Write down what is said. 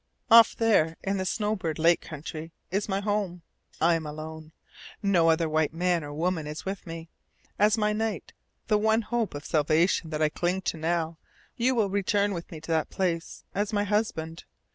Off there, in the Snowbird Lake country, is my home. I am alone. No other white man or woman is with me. As my knight, the one hope of salvation that I cling to now, you will return with me to that place as my husband.